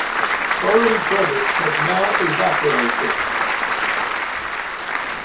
Foreign credit had now evaporated.